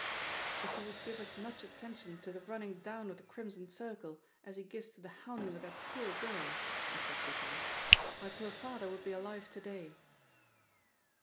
"If he would give as much attention to the running down of the Crimson Circle as he gives to the hounding of that poor girl," he said bitterly, "my poor father would be alive to day."